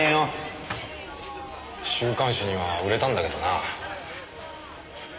週刊誌には売れたんだけどな。